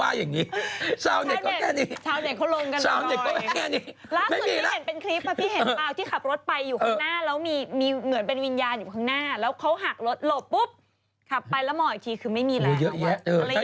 สารเห็นเนี้ยหนูเหมือนที่เห็นอันนั้นใช่มั้ย